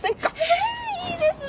えっいいですね。